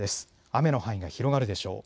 雨の範囲が広がるでしょう。